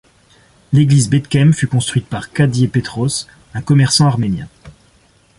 L'église Bedkhem fut construite par Khadje Petros, un commerçant arménien.